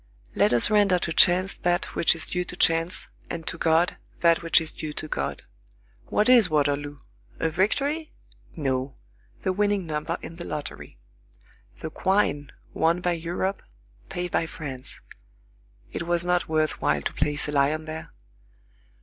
Let us render to chance that which is due to chance, and to God that which is due to God. What is Waterloo? A victory? No. The winning number in the lottery. The quine 11 won by Europe, paid by France. It was not worthwhile to place a lion there.